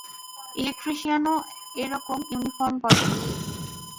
ইলেকট্রিশিয়ানও এরকম ইউনিফর্ম পরে।